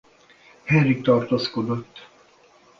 Henrik tartózkodott.